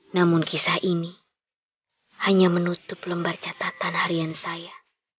namun kisah ini hanya menutup lembar catatan harian saya